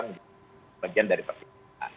menjadi bagian dari persis